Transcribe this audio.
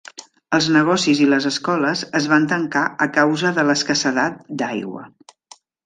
Els negocies i les escoles es van tancar a causa de l'escassedat d'aigua.